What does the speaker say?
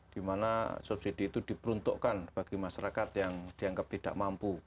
di mana subsidi itu diperuntukkan bagi masyarakat yang dianggap tidak mampu